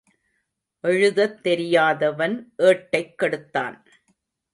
எழுதத் தெரியாதவன் ஏட்டைக் கெடுத்தான்.